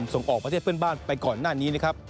ส่งออกประเทศเพื่อนบ้านไปก่อนหน้านี้นะครับ